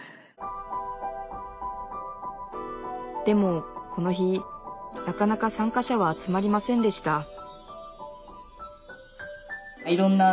でもこの日なかなか参加者は集まりませんでした